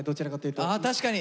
あ確かに！